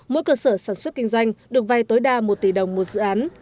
mỗi cơ sở sản xuất kinh doanh được vay tối đa một tỷ đồng một dự án